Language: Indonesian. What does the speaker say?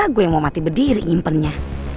gue yang mau mati berdiri impennya